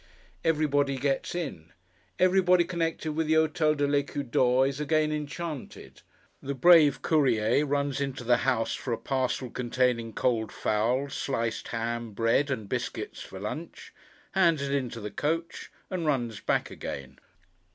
Everybody gets in. Everybody connected with the Hôtel de l'Ecu d'Or is again enchanted. The brave Courier runs into the house for a parcel containing cold fowl, sliced ham, bread, and biscuits, for lunch; hands it into the coach; and runs back again.